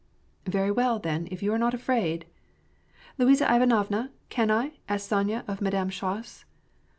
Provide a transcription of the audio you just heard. " Very well, then, if you are not afraid." '^ Luiza Ivanovna, can I ?" asked Sonya of Madame Schoss.